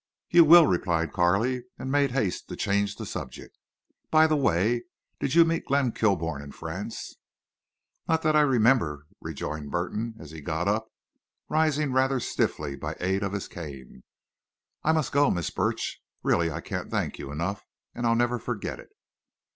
"You will," replied Carley, and made haste to change the subject. "By the way, did you meet Glenn Kilbourne in France?" "Not that I remember," rejoined Burton, as he got up, rising rather stiffly by aid of his cane. "I must go, Miss Burch. Really I can't thank you enough. And I'll never forget it."